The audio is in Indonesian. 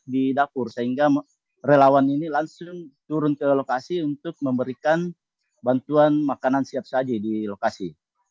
di dapur sehingga relawan ini langsung turun ke lokasi untuk memberikan bantuan makanan siap saji di lokasi